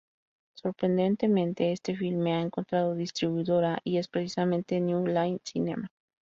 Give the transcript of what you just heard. Sorprendentemente, este filme ha encontrado distribuidora y es precisamente New Line Cinema.